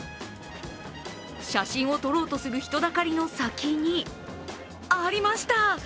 写真を撮ろうとする人だかりの先に、ありました！